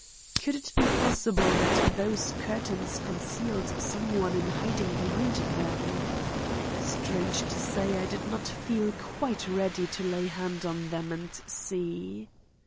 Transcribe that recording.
Could it be possible that those curtains concealed some one in hiding behind them? Strange to say I did not feel quite ready to lay hand on them and see.